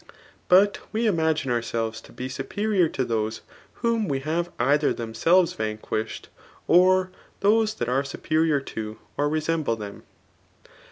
But we inngine ourselves to be supeijor to those whom we h»te either themselves vanquished, or those that are superior to,, <Hr resemble them.